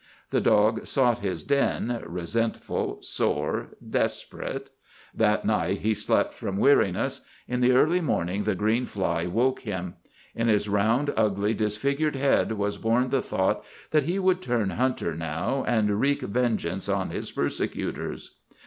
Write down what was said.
The dog sought his den, resentful, sore, desperate. That night he slept from weariness; in the early morning the green fly woke him. In his round, ugly, disfigured head was born the thought that he would turn hunter now, and wreak vengeance on his persecutors.